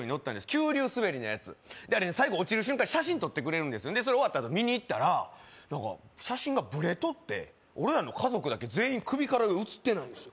急流滑りのヤツであれね最後落ちる瞬間写真撮ってくれるんですそれ終わったあと見に行ったら何か写真がブレとって俺らの家族だけ全員首から上写ってないんですよ